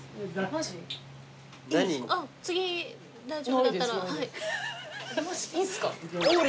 マジいいんすか？